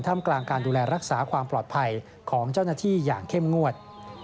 มกลางการดูแลรักษาความปลอดภัยของเจ้าหน้าที่อย่างเข้มงวด